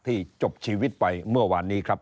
ที่จบชีวิตไปเมื่อวานนี้ครับ